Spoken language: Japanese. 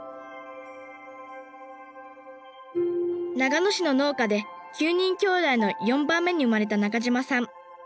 長野市の農家で９人きょうだいの４番目に生まれた中島さん。